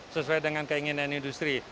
sesuai dengan keinginan industri